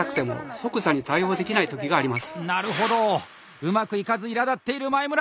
うまくいかずいらだっている前村！